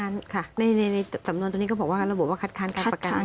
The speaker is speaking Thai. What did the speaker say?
ในสำนวนตรงนี้ก็บอกว่าระบบว่าคัดค้านการประกัน